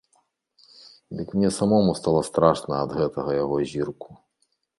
Дык мне самому стала страшна ад гэтага яго зірку.